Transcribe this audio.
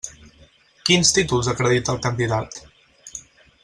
Quins títols acredita el candidat?